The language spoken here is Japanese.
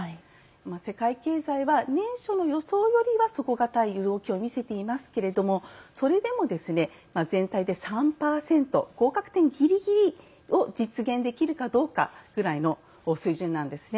世界経済は、年初の予想よりは底堅い動きを見せていますけれどそれでも、全体で３％合格点ギリギリを実現できるかどうかぐらいの水準なんですね。